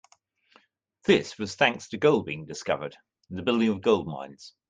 This was thanks to gold being discovered and the building of gold mines.